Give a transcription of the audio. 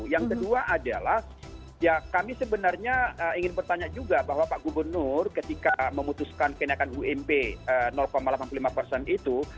yang kedua adalah ya kami sebenarnya ingin bertanya juga bahwa pak gubernur ketika memutuskan kenaikan ump delapan puluh lima persen itu